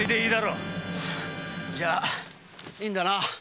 じゃいいんだな。